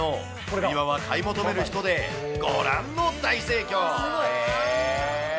売り場は買い求める人で、ご覧の大盛況。